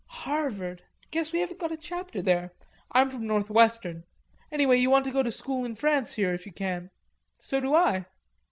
"Harvard.... Guess we haven't got a chapter there.... I'm from North Western. Anyway you want to go to school in France here if you can. So do I."